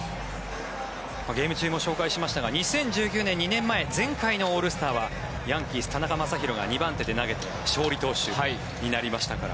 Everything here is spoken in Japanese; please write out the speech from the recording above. ゲーム中も紹介しましたが２０１９年、２年前前回のオールスターはヤンキース、田中将大が２番手で投げて勝利投手になりましたから。